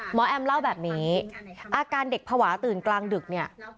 แอมเล่าแบบนี้อาการเด็กภาวะตื่นกลางดึกเนี่ย